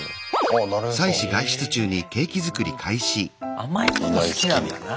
甘いもの好きなんだな。